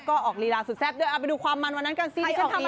ก็ออกลีลาสุดแซ่บด้วยเอาไปดูความมันวันนั้นกันสิ